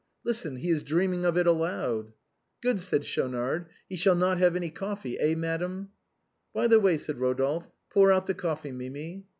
Listen, he is dreaming of it aloud." " Good," said Schaunard;, " he shall not have any coffee, eh, madame ?" "By the way," said Rodolphe, "pour out the coffee, Mimi."